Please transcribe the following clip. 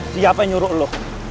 siapa yang nyuruh lo